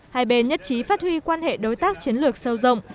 hai bên nhất trí phát huy quan hệ đối tác chiến lược sâu rộng